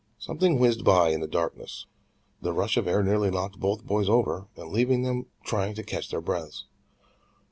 Something whizzed by in the darkness, the rush of air nearly knocking both boys over, and leaving them trying to catch their breaths.